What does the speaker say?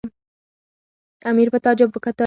امیر په تعجب وکتل.